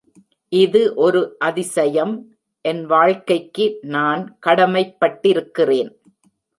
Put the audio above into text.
இது ஒரு அதிசயம், என் வாழ்க்கைக்கு நான் கடமைப்பட்டிருக்கிறேன்.